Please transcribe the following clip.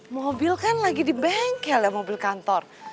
mobil kan lagi di bengkel ya mobil kantor